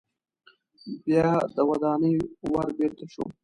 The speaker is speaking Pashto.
بیا د ودانۍ ور بیرته شو.